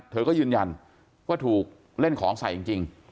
เธอก็ยืนยันว่าถูกเล่นของใส่จริง